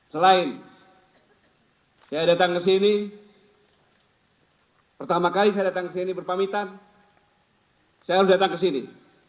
selain saya datang ke sini pertama kali saya datang ke sini berpamitan saya harus datang ke sini